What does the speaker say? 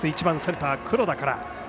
１番センターの黒田から。